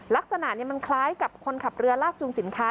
ลักษณะมันคล้ายกับคนขับเรือลากจูงสินค้า